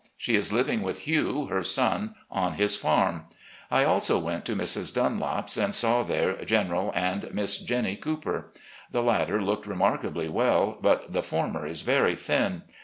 She is living with Hugh (her son), on his farm. I also went to Mrs. Dunlop's and saw there General and Miss Jeimie Cooper. The latter looked remarkably well, but the former is very thin.